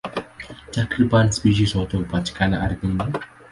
Takriban spishi zote hupatikana ardhini.